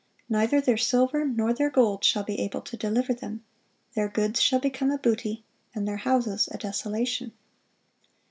(498) "Neither their silver nor their gold shall be able to deliver them;" "their goods shall become a booty, and their houses a desolation."